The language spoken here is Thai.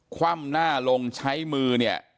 คว่ำหน้าลงใช้มือเนี่ย